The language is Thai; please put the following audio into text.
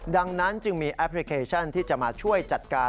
ดังนั้นจึงมีแอปพลิเคชันที่จะมาช่วยจัดการ